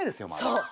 そう。